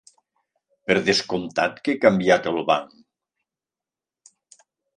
Per descomptat que he canviat el banc.